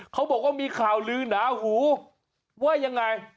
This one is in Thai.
เขาบอกว่ามีข่าวลือหนาหูว่ายังไง